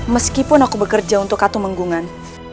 meskipun aku bekerja untuk katung manggungan